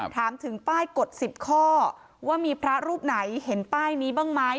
ถามถึงป้ายกฎ๑๐ข้อว่ามีพระรูปไหนเห็นป้ายนี้บ้างไหม